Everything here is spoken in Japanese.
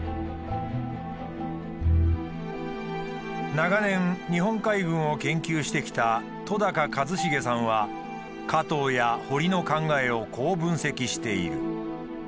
長年日本海軍を研究してきた戸一成さんは加藤や堀の考えをこう分析している。